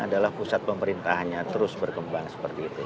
dan itu adalah pusat pemerintahnya terus berkembang seperti itu